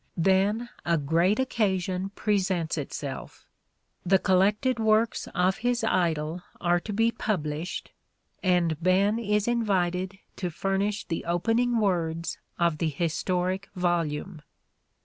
Then a great occasion presents itself. The collected works of his idol are to be published and Ben is invited to furnish the opening words of the historic volume.